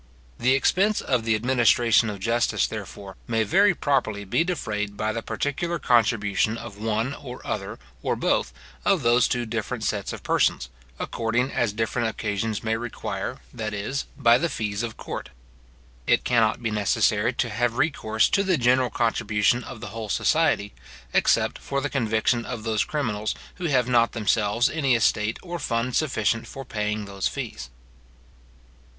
The expense of the administration of justice, therefore, may very properly be defrayed by the particular contribution of one or other, or both, of those two different sets of persons, according as different occasions may require, that is, by the fees of court. It cannot be necessary to have recourse to the general contribution of the whole society, except for the conviction of those criminals who have not themselves any estate or fund sufficient for paying those fees.